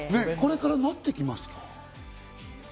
これからこうなってきますか？